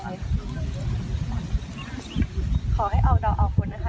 ขอให้ออกออกคุณนะคะ